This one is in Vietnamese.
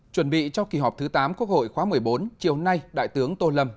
chuẩn bị cho kỳ họp thứ tám quốc hội khóa một mươi bốn chiều nay đại tướng tô lâm